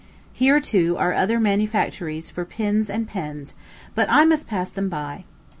Here, too, are other manufactories for pins and pens; but I must pass them by.